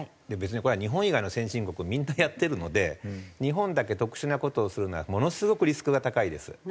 別にこれは日本以外の先進国みんなやってるので日本だけ特殊な事をするのはものすごくリスクが高いです。